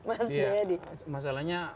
mas jayadi masalahnya